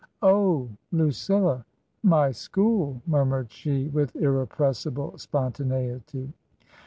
"Oh, Lucilla! My school!" murmured she, with irrepressible spontaneity.